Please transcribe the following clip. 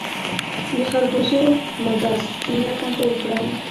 د خربوزو مګس څنګه کنټرول کړم؟